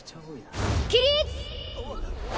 起立！